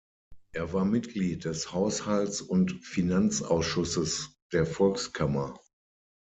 Er war Mitglied des Haushalts- und Finanzausschusses der Volkskammer.